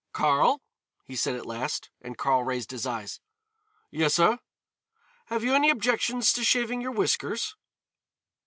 "Karl," he said at last, and Karl raised his eyes. "Yes, sir." "Have you any objections to shaving your whiskers?"